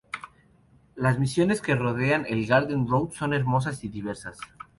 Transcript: Las mansiones que rodean el "Garden Road" son hermosas y diversas.